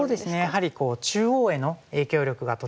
やはり中央への影響力がとても強い手で。